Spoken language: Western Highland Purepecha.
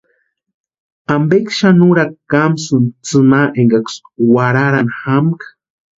¿Ampeksï xani úrakwa kamsïni tsʼïma énkaksï warharani jamkʼa?